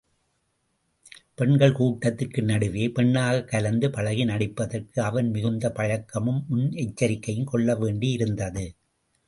பெண்கள் கூட்டத்திற்கு நடுவே பெண்ணாகக் கலந்து பழகி நடிப்பதற்கு அவன் மிகுந்த பழக்கமும் முன்னெச்சரிக்கையும் கொள்ள வேண்டியிருந்தது.